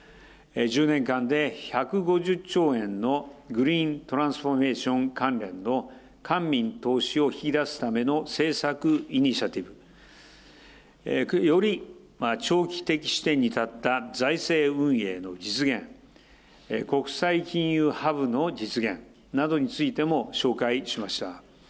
１０年間で１５０兆円のグリーントランスフォーメーション関連の官民投資を引き出すための政策イニシアティブ、より長期的視点に立った財政運営の実現、国際金融ハブの実現などについても紹介しました。